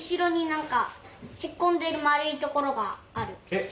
えっ？